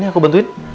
sini aku bantuin